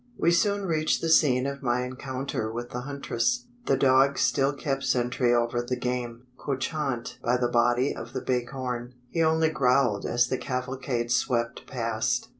We soon reached the scene of my encounter with the huntress. The dog still kept sentry over the game. Couchant by the body of the bighorn, he only growled as the cavalcade swept past.